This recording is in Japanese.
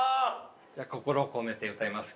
じゃあ心を込めて歌います。